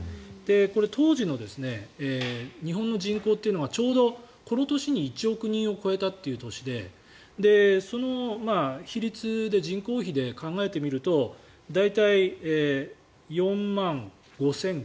これ、当時の日本の人口というのがちょうどこの年に１億人を超えたという年でその比率で人口比で考えてみると大体、４万５５００とか４万６０００。